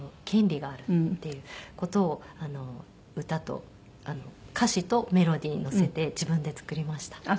権利があるっていう事を歌と歌詞とメロディーにのせて自分で作りました。